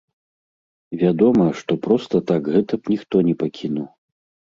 Вядома, што проста так гэта б ніхто не пакінуў.